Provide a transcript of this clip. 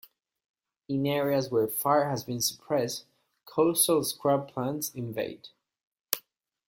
In areas where fire has been suppressed, coastal scrub plants invade.